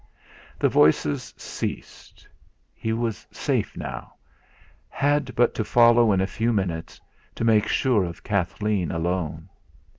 The voices ceased. He was safe now had but to follow in a few minutes, to make sure of Kathleen alone.